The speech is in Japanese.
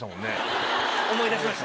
思い出しました？